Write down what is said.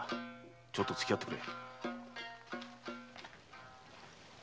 ちょっとつきあってくれ。